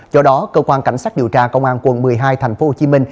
do đó cơ quan cảnh sát điều tra công an quận một mươi hai tp hcm